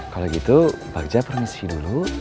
kalau gitu bakja permisi dulu